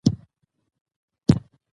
د ولس ګډون د ثبات ضامن دی